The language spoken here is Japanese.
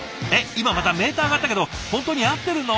今またメーター上がったけど本当に合ってるの？」